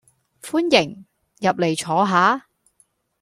歡迎，入嚟坐下